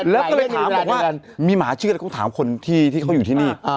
แล้วก็เลยถามบอกว่ามีหมาเชื่อแล้วก็ถามคนที่เขาอยู่ที่นี่